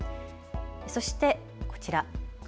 そして、こちら。